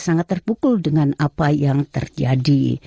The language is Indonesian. sangat terpukul dengan apa yang terjadi